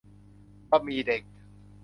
บะหมี่เด็ก